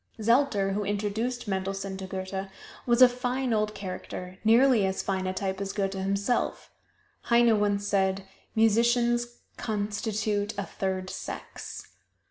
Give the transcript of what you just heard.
Zelter, who introduced Mendelssohn to Goethe, was a fine old character, nearly as fine a type as Goethe himself. Heine once said, "Musicians constitute a third sex."